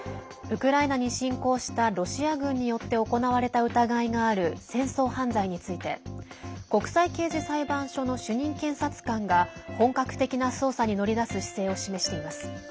ウクライナに侵攻したロシア軍によって行われた疑いがある戦争犯罪について国際刑事裁判所の主任検察官が本格的な捜査に乗り出す姿勢を示しています。